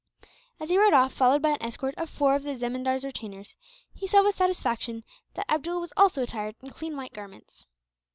As he rode off, followed by an escort of four of the zemindar's retainers, he saw with satisfaction that Abdool was also attired in clean white garments.